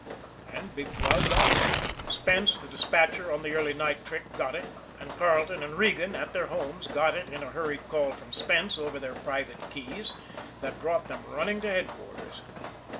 And Big Cloud got it. Spence, the despatcher, on the early night trick, got it and Carleton and Regan, at their homes, got it in a hurried call from Spence over their private keys, that brought them running to headquarters.